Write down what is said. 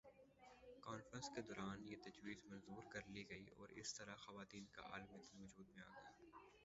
conference کے دوران یہ تجویز منظور کر لی گئی اور اس طرح خواتین کا عالمی دن وجود میں آگیا